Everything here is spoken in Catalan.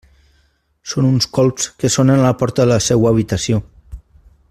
Són uns colps que sonen a la porta de la seua habitació.